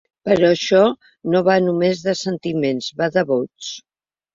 Però això no va només de sentiments, va de vots.